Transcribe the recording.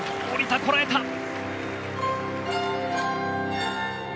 下りた、こらえた。